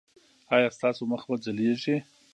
ایا ستاسو مخ به ځلیږي؟